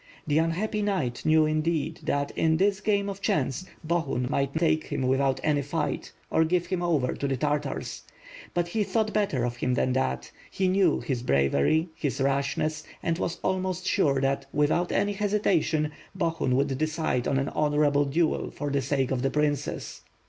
The unhappy knight knew indeed, that, in this game of chance, Bohun might take him without any fight, or give him over to the Tartars. But he thought better of him than that; he knew his bravery, his rashness, and was almost sure that, without any hesitation, Bohun would decide on an honorable duel for the sake of the princess.